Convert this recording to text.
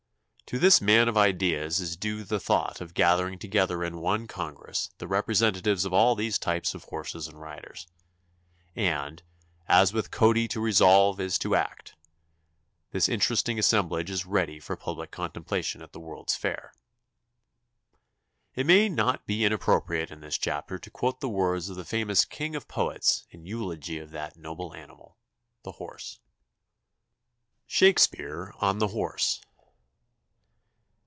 To this man of ideas is due the thought of gathering together in one congress the representatives of all these types of horses and riders. And, as with Cody to resolve is to act, this interesting assemblage is ready for public contemplation at the World's Fair. It may not be inappropriate in this chapter to quote the words of the famous king of poets in eulogy of that noble animal, the horse. SHAKESPEARE ON THE HORSE.